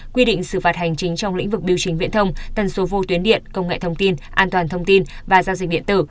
quy định xử phạt hành chính trong lĩnh vực biểu chính viễn thông tần số vô tuyến điện công nghệ thông tin an toàn thông tin và giao dịch điện tử